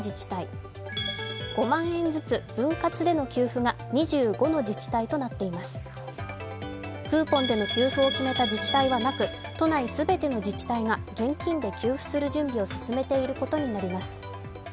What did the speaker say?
クーポンでの給付を決めた自治体はなく都内全ての自治体が現金で給付する準備を進めていることになります。